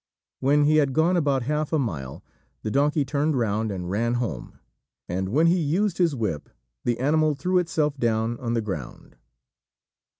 When he had gone about half a mile, the donkey turned round and ran home; and when he used his whip, the animal threw itself down on the ground.